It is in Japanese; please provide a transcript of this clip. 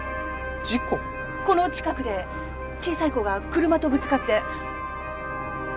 この近くで小さい子が車とぶつかって。